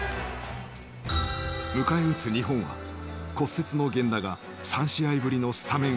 迎え撃つ日本は骨折の源田が３試合ぶりのスタメン復帰。